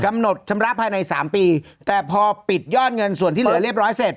ชำระภายในสามปีแต่พอปิดยอดเงินส่วนที่เหลือเรียบร้อยเสร็จ